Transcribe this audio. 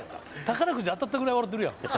宝くじ当たったぐらい笑てるやん。